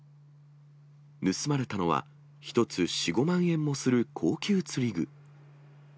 盗まれたのは、１つ４、５万円もする高級釣り具。